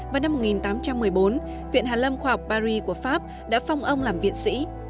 vào năm một nghìn tám trăm một mươi bốn viện hàn lâm khoa học paris của pháp đã phong ông làm viện sĩ